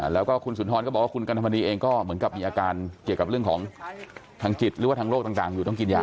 แล้วก็คุณสุนทรก็บอกว่าคุณกันธรรมนีเองก็เหมือนกับมีอาการเกี่ยวกับเรื่องของทางจิตหรือว่าทางโรคต่างอยู่ต้องกินยา